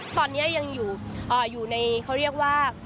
ตอนนี้ยังอยู่ในเขาเรียกว่า